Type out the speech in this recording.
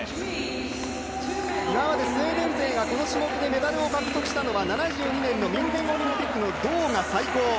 今までスウェーデン勢がこの種目でメダルを獲得したのは７２年のミュンヘンオリンピックの銅が最高。